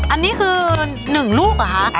อันนี้คือ๑ลูกเหรอคะ